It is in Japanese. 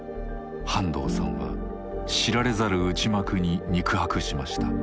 半藤さんは知られざる内幕に肉薄しました。